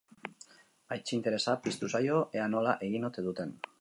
Aitzi interesa piztu zaio ea nola egin ote duten.